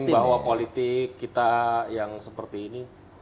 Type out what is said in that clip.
bahwa politik kita yang seperti ini